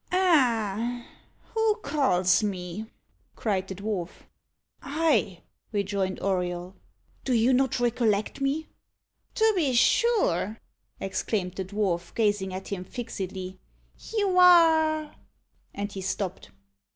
"Ah! who calls me?" cried the dwarf. "I!" rejoined Auriol. "Do you not recollect me?" "To be sure!" exclaimed the dwarf, gazing at him fixedly; "you are " and he stopped.